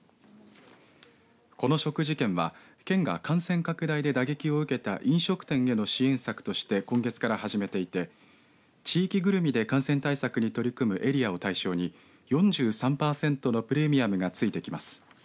この食事券は県が感染拡大で打撃を受けた飲食店への支援策として今月から始めていて地域ぐるみで感染対策に取り組むエリアを対象に４３％のプレミアムが付いてきます。